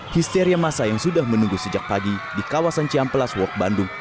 histeria masa yang sudah menunggu sejak pagi di kawasan cihamplas wok bandung